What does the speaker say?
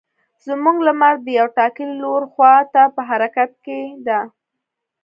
زموږ لمر د یو ټاکلي لور خوا ته په حرکت کې ده.